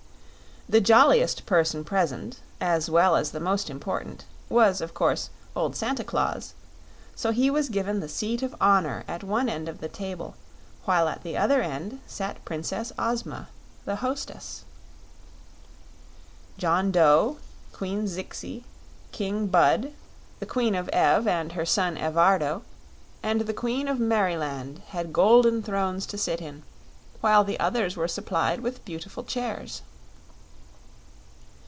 The jolliest person present, as well as the most important, was of course old Santa Claus; so he was given the seat of honor at one end of the table while at the other end sat Princess Ozma, the hostess. John Dough, Queen Zixi, King Bud, the Queen of Ev and her son Evardo, and the Queen of Merryland had golden thrones to sit in, while the others were supplied with beautiful chairs.